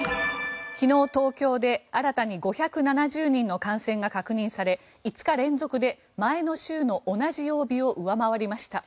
昨日、東京で新たに５７０人の感染が確認され５日連続で前の週の同じ曜日を上回りました。